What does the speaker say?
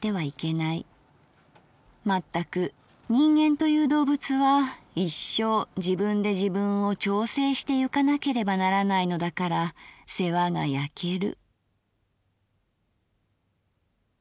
まったく人間という動物は一生自分で自分を調整してゆかなければならないのだから世話がやける」。